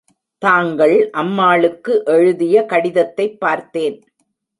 தாங்கள் அம்மாளுக்கு எழுதிய கடிதத்தைப் பார்த்தேன்.